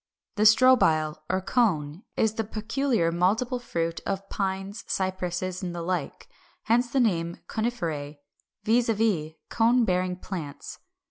379. =The Strobile or Cone= (Fig. 411), is the peculiar multiple fruit of Pines, Cypresses, and the like; hence named Coniferæ, viz. cone bearing plants.